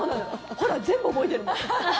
ほら、全部覚えてるの。